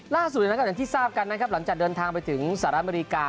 ล่าสู่อย่างนั้นก็อย่างที่ทราบกันนะครับหลังจากเดินทางไปถึงสระอเมริกา